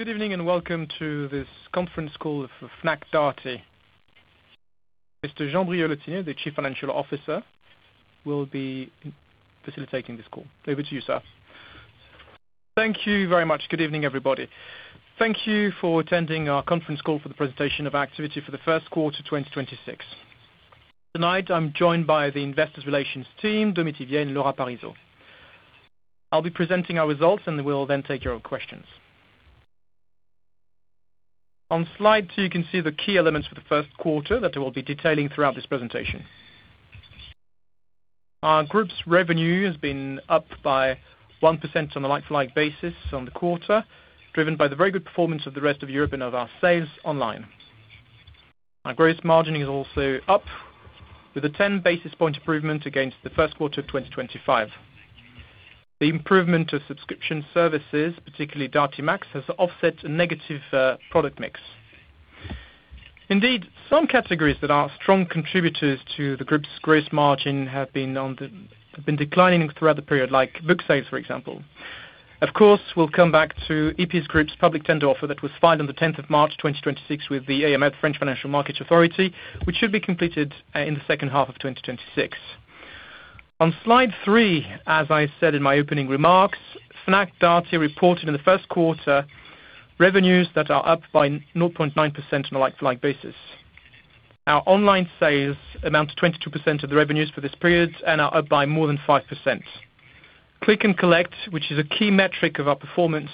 Good evening, and welcome to this conference call for Fnac Darty. Mr. Jean-Brieuc Le Tinier, the Chief Financial Officer, will be facilitating this call. Over to you, sir. Thank you very much. Good evening, everybody. Thank you for attending our conference call for the presentation of activity for the first quarter 2026. Tonight, I'm joined by the Investor Relations team, Domitille and Laura Parisot. I'll be presenting our results, and we'll then take your questions. On slide two, you can see the key elements for the first quarter that we'll be detailing throughout this presentation. Our group's revenue has been up by 1% on a like-for-like basis on the quarter, driven by the very good performance of the rest of Europe and of our sales online. Our gross margin is also up with a 10 basis points improvement against the first quarter of 2025. The improvement of subscription services, particularly Darty Max, has offset a negative product mix. Indeed, some categories that are strong contributors to the group's gross margin have been declining throughout the period, like book sales, for example. Of course, we'll come back to EP Group's public tender offer that was filed on the March 10 2026 with the AMF, French Financial Markets Authority, which should be completed in the second half of 2026. On slide three, as I said in my opening remarks, Fnac Darty reported in the first quarter revenues that are up by 0.9% on a like-for-like basis. Our online sales amount to 22% of the revenues for this period and are up by more than 5%. Click and Collect, which is a key metric of our performance,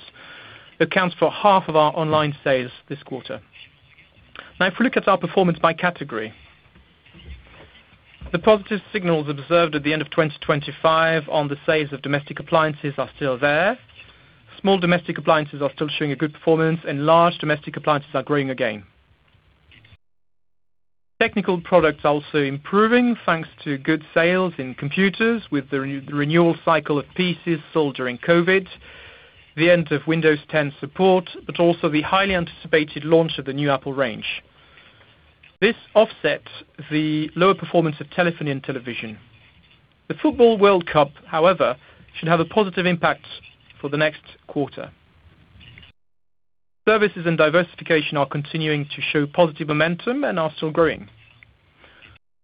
accounts for half of our online sales this quarter. Now, if we look at our performance by category. The positive signals observed at the end of 2025 on the sales of domestic appliances are still there. Small domestic appliances are still showing a good performance, and large domestic appliances are growing again. Technical products are also improving, thanks to good sales in computers with the renewal cycle of PCs sold during COVID, the end of Windows 10 support, but also the highly anticipated launch of the new Apple range. This offsets the lower performance of telephony and television. The Football World Cup, however, should have a positive impact for the next quarter. Services and diversification are continuing to show positive momentum and are still growing.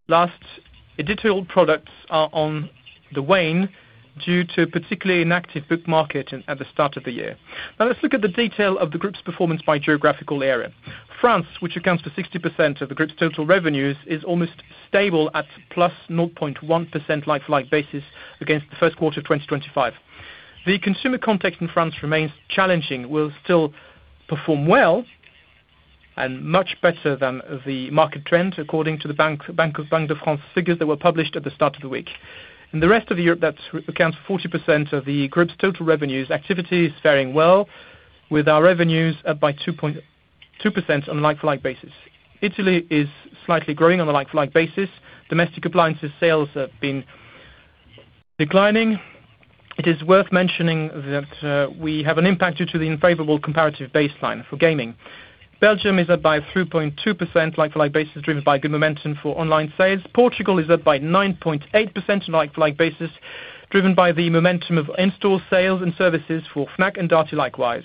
Last, digital products are on the wane due to a particularly inactive book market at the start of the year. Now let's look at the detail of the group's performance by geographical area. France, which accounts for 60% of the group's total revenues, is almost stable at +0.1% like-for-like basis against the first quarter of 2025. The consumer context in France remains challenging. We'll still perform well and much better than the market trend, according to the Banque de France figures that were published at the start of the week. In the rest of the year, that accounts for 40% of the group's total revenues. Activity is faring well, with our revenues up by 2% on a like-for-like basis. Italy is slightly growing on a like-for-like basis. Domestic appliances sales have been declining. It is worth mentioning that we have an impact due to the unfavorable comparative baseline for gaming. Belgium is up by 3.2% like-for-like basis, driven by good momentum for online sales. Portugal is up by 9.8% like-for-like basis, driven by the momentum of in-store sales and services for Fnac and Darty likewise.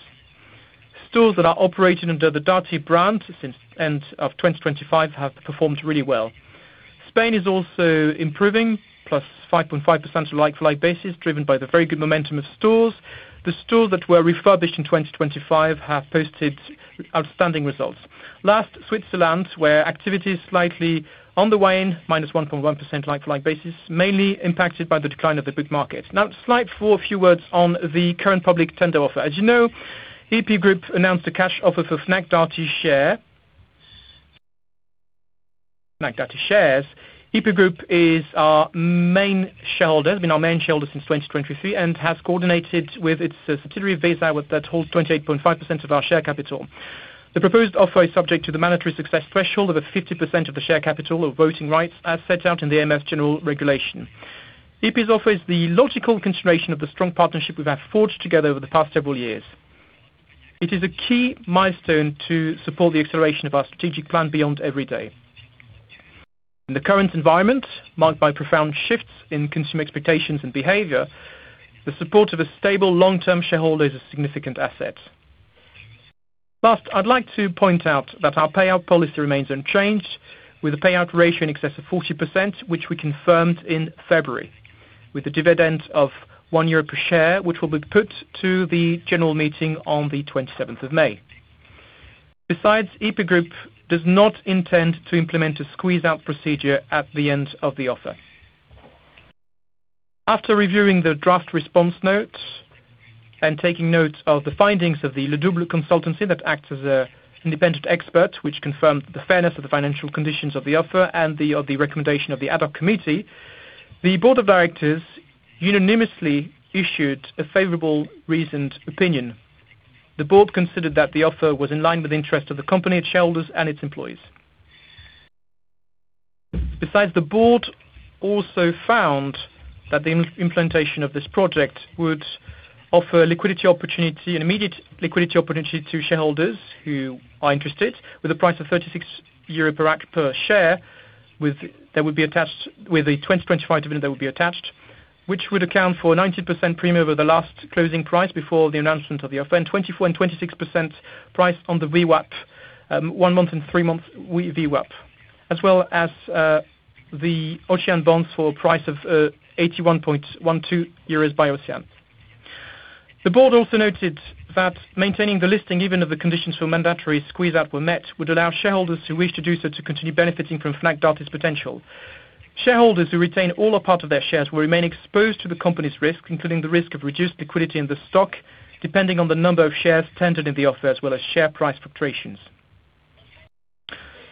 Stores that are operating under the Darty brand since end of 2025 have performed really well. Spain is also improving, plus 5.5% like-for-like basis, driven by the very good momentum of stores. The stores that were refurbished in 2025 have posted outstanding results. Last, Switzerland, where activity is slightly on the wane, minus 1.1% like-for-like basis, mainly impacted by the decline of the book market. Now, slide four, a few words on the current public tender offer. As you know, EP Group announced a cash offer for Fnac Darty shares. EP Group is our main shareholder, has been our main shareholder since 2023 and has coordinated with its subsidiary, Vesa, that holds 28.5% of our share capital. The proposed offer is subject to the mandatory success threshold of 50% of the share capital or voting rights as set out in the AMF general regulation. EP's offer is the logical continuation of the strong partnership we have forged together over the past several years. It is a key milestone to support the acceleration of our strategic plan Beyond Everyday. In the current environment, marked by profound shifts in consumer expectations and behavior, the support of a stable long-term shareholder is a significant asset. Last, I'd like to point out that our payout policy remains unchanged, with a payout ratio in excess of 40%, which we confirmed in February, with a dividend of 1 euro per share, which will be put to the general meeting on the May 27. Besides, EP Group does not intend to implement a squeeze-out procedure at the end of the offer. After reviewing the draft response notes and taking notes of the findings of the Ledouble consultancy that acts as an independent expert, which confirmed the fairness of the financial conditions of the offer and of the recommendation of the ad hoc committee, the board of directors unanimously issued a favorably reasoned opinion. The board considered that the offer was in line with the interest of the company, its shareholders, and its employees. Besides, the board also found that the implementation of this project would offer an immediate liquidity opportunity to shareholders who are interested with a price of 36 euro per share, with a 2025 dividend that will be attached, which would count for a 19% premium over the last closing price before the announcement of the offer, and 24% and 26% premium on the VWAP, one month and three months VWAP. OCEANE bonds for a price of 81.12 euros per OCEANE. The board also noted that maintaining the listing, even if the conditions for a mandatory squeeze-out were met, would allow shareholders who wish to do so to continue benefiting from Fnac Darty's potential. Shareholders who retain all or part of their shares will remain exposed to the company's risk, including the risk of reduced liquidity in the stock, depending on the number of shares tendered in the offer, as well as share price fluctuations.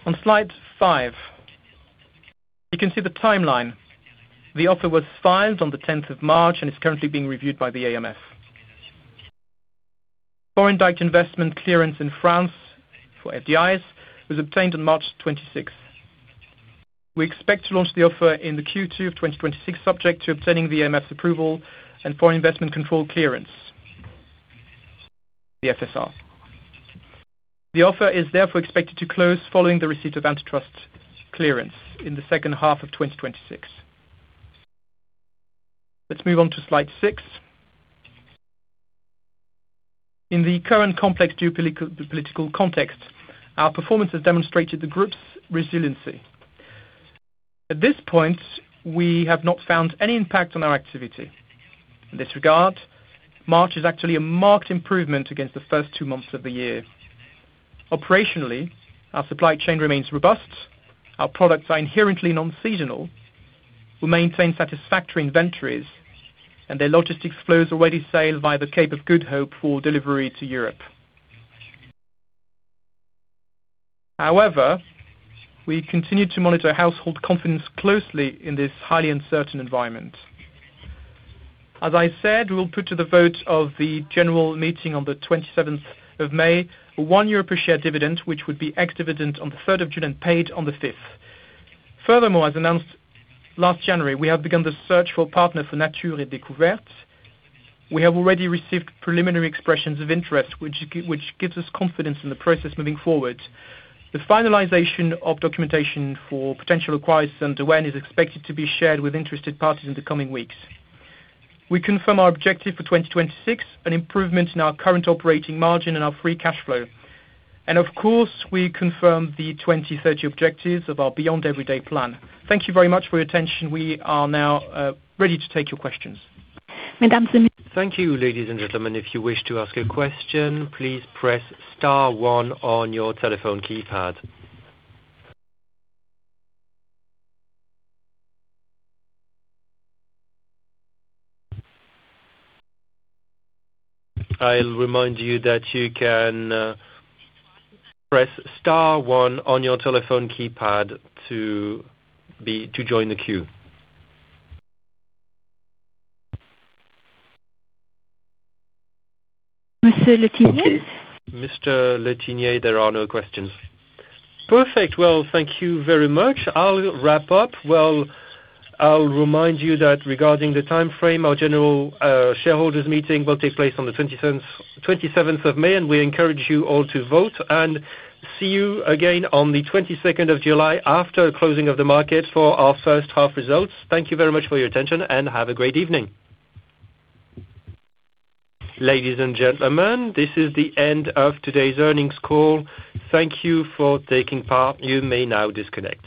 On slide five, you can see the timeline. The offer was filed on the March 10 and is currently being reviewed by the AMF. Foreign direct investment clearance in France for FDIs was obtained on March 26. We expect to launch the offer in the Q2 of 2026, subject to obtaining the AMF's approval and foreign investment control clearance. The FSR. The offer is therefore expected to close following the receipt of antitrust clearance in the second half of 2026. Let's move on to slide six. In the current complex geopolitical context, our performance has demonstrated the group's resiliency. At this point, we have not found any impact on our activity. In this regard, March is actually a marked improvement against the first two months of the year. Operationally, our supply chain remains robust, our products are inherently non-seasonal, we maintain satisfactory inventories, and their logistics flows already sail via the Cape of Good Hope for delivery to Europe. However, we continue to monitor household confidence closely in this highly uncertain environment. As I said, we'll put to the vote of the general meeting on the May 27, a 1 euro per share dividend, which would be ex-dividend on the June 3 and paid on the 5th. Furthermore, as announced last January, we have begun the search for a partner for Nature & Découvertes. We have already received preliminary expressions of interest, which gives us confidence in the process moving forward. The finalization of documentation for potential acquirers is expected to be shared with interested parties in the coming weeks. We confirm our objective for 2026, an improvement in our current operating margin and our free cash flow. Of course, we confirm the 2030 objectives of our Beyond Everyday plan. Thank you very much for your attention. We are now ready to take your questions. Thank you, ladies and gentlemen. If you wish to ask a question, please press star one on your telephone keypad. I'll remind you that you can press star one on your telephone keypad to join the queue. Mr. Le Tinier. Mr. Le Tinier, there are no questions. Perfect. Well, thank you very much. I'll wrap up. Well, I'll remind you that regarding the timeframe, our General Shareholders' Meeting will take place on the May 27, and we encourage you all to vote, and see you again on the July 22 after closing of the market for our first-half results. Thank you very much for your attention, and have a great evening. Ladies and gentlemen, this is the end of today's earnings call. Thank you for taking part. You may now disconnect.